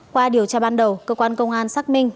qua điều tra ban đầu cơ quan công an xác minh